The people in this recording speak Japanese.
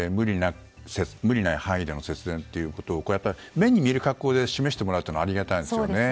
無理ない範囲での節電ということを目に見える格好で示してもらえるとありがたいですよね。